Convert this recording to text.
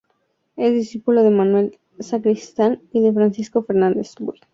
Es discípulo de Manuel Sacristán y de Francisco Fernández Buey.